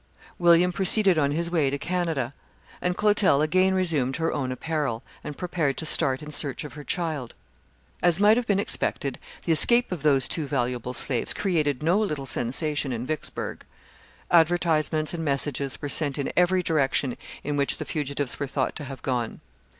William proceeded on his way to Canada, and Clotel again resumed her own apparel, and prepared to start in search of her child. As might have been expected, the escape of those two valuable slaves created no little sensation in Vicksburgh. Advertisements and messages were sent in every direction in which the fugitives were thought to have gone.